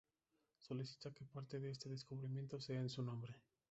Solicita que parte de este descubrimiento sea en su nombre.